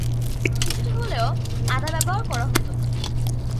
কিছুটা হলেও, আদা ব্যবহার করা হতো।